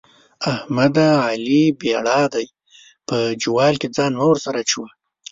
احمده؛ علي بېړا دی - په جوال کې ځان مه ورسره اچوه.